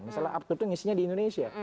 misalnya aptur itu isinya di indonesia